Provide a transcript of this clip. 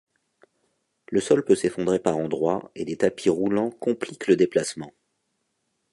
Le sol peut s'effondrer par endroits et des tapis roulant compliquent le déplacement.